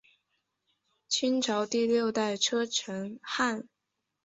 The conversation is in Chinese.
清朝第六代车臣汗。